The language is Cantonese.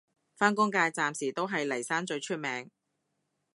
返工界暫時都係嚟生最出名